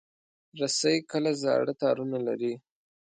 رسۍ کله زاړه تارونه لري.